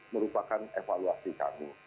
merupakan evaluasi kami